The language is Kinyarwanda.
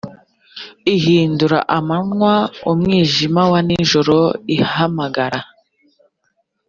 ihindura amanywa umwijima wa nijoro ihamagara